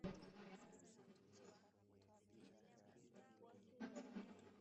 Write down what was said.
Dalili muhimu ya ugonjwa wa miguu na midomo ni wanyama kuchechemea